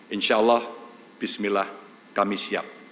insyaallah bismillah kami siap